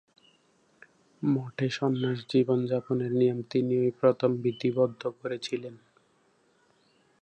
মঠে সন্ন্যাস জীবন যাপনের নিয়ম তিনিই প্রথম বিধিবদ্ধ করেছিলেন।